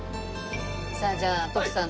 さあじゃあ徳さん